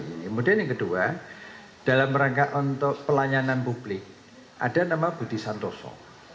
kemudian yang kedua dalam rangka untuk pelayanan publik ada nama budi santoso